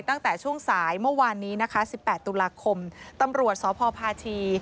ตั้งแต่ช่วงสายเมื่อวานนี้นะคะ๑๘ตุลาคมตำรวจสพพาชี